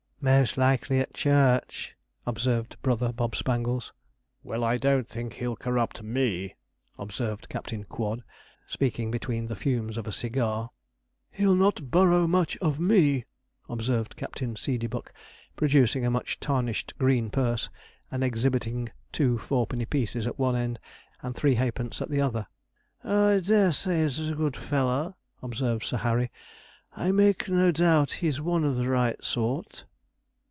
'Most likely at church,' observed brother Bob Spangles. 'Well, I don't think he'll corrupt me,' observed Captain Quod, speaking between the fumes of a cigar. 'He'll not borrow much of me,' observed Captain Seedeybuck, producing a much tarnished green purse, and exhibiting two fourpenny pieces at one end, and three halfpence at the other. 'Oh, I dare say he's a good feller,' observed Sir Harry; 'I make no doubt he's one of the right sort.'